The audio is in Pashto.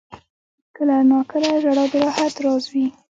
• کله ناکله ژړا د راحت راز وي.